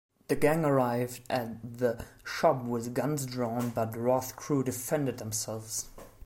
The gang arrived at the shop with guns drawn, but Roth's crew defended themselves.